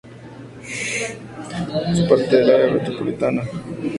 Es parte del área metropolitana de Fayetteville-Springdale-Rogers.